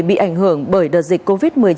bị ảnh hưởng bởi đợt dịch covid một mươi chín